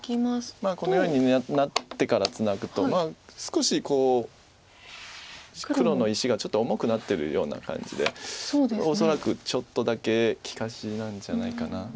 このようになってからツナぐと少しこう黒の石がちょっと重くなってるような感じで恐らくちょっとだけ利かしなんじゃないかな。